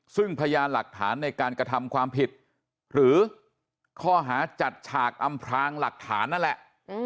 ซึ่งพยานหลักฐานในการกระทำความผิดหรือข้อหาจัดฉากอำพลางหลักฐานนั่นแหละ